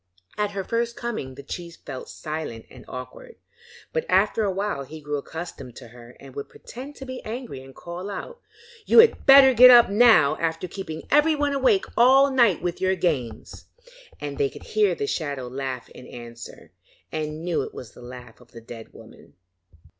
At her first coming the chief felt silent and awkward, but after a while he grew accustomed to her and would pretend to be angry and called out: 'You had better get up now, after keeping everyone awake all night with your games,' and they could hear the shadow laugh in answer, and knew it was the laugh of the dead woman.